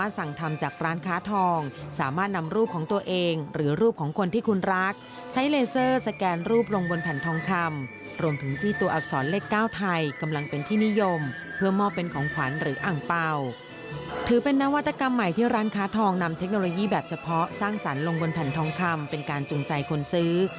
ร้านค้าทองนำเทคโนโลยีแบบเฉพาะสร้างสารลงบนแผ่นทองคำเป็นการจุงใจคนซื้อ